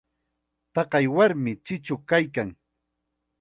Taqay warmim chichu kaykan.